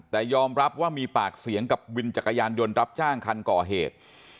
แต่ยอมรับว่ามีปากเสียงกับวินจักรยานยนต์รับจ้างคันก่อเหตุ